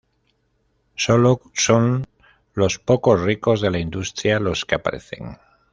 solo son los pocos ricos de la industria los que aparecen